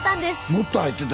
もっと入ってた。